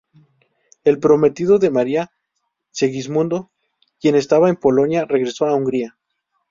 El prometido de María, Segismundo, quien estaba en Polonia, regresó a Hungría.